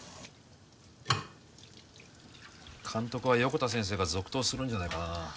監督は横田先生が続投するんじゃないかな